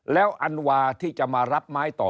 แล้วอันวาที่จะมารับไม้ต่อ